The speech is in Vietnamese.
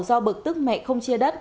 do bực tức mẹ không chia đất